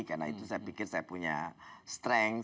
karena itu saya pikir saya punya strength